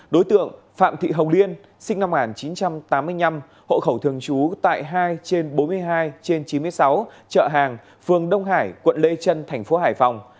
đối tượng phạm thị hồng liên sinh năm một nghìn chín trăm tám mươi năm hộ khẩu thường trú tại hai trên bốn mươi hai trên chín mươi sáu chợ hàng phường đông hải quận lê trân thành phố hải phòng